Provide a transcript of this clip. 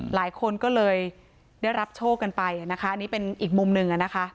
หลายคนก็เลยได้รับโชคกันไปนะคะอันนี้เป็นอีกมุมหนึ่งนะคะ